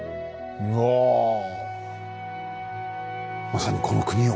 ほうまさにこの国を。